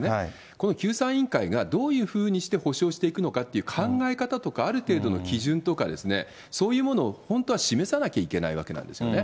この救済委員会がどういうふうにして補償していくのかっていう考え方とか、ある程度の基準とかですね、そういうものを本当は示さなきゃいけないわけなんですよね。